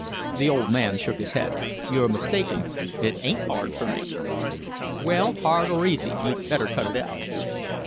The old man shook his head. "You're mistaken. It ain't hard for me." "Well, hard or easy, you'd better cut it out."